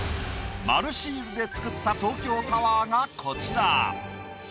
丸シールで作った東京タワーがこちら。